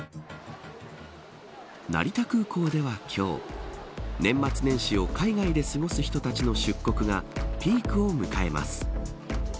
成田空港では今日年末年始を海外で過ごす人たちの出国がピークを迎えます。